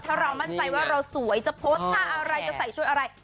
ถ้าเรามั่นใจว่าเราสวยจะโพสต์ท่าอะไรจะใส่ช่วยอะไร